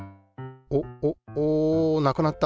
おっおっおなくなった。